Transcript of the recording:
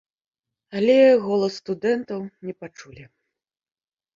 Але голас студэнтаў не пачулі.